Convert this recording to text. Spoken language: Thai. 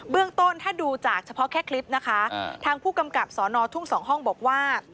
เรื่องต้นถ้าดูจากเฉพาะแค่คลิปนะคะทางผู้กำกับสอนอทุ่งสองห้องบอกว่า